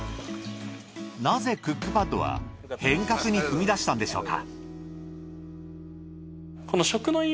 なぜクックパッドは変革に踏み出したのでしょうか？